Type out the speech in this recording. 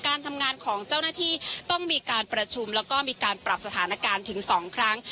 การทำงานของเจ้าหน้าที่ต้องมีการประชุมแล้วก็มีการปรับสถานการณ์ถึง๒ครั้ง